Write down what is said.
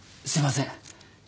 すいません。